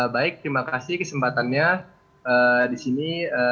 baik terima kasih kesempatannya di sini